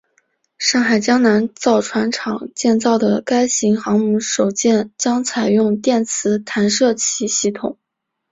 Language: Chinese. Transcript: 上海江南造船厂建造的该型航母首舰将采用电磁弹射器系统。